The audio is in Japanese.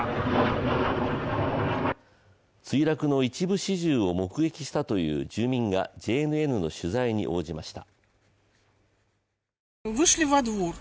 墜落の一部始終を目撃したという住民がＪＮＮの取材に応じました。